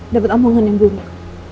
dapat omongan yang buruk